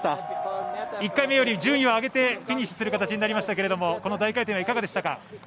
１回目より順位を上げてフィニッシュする形になりましたけどこの大回転はいかがでしたか？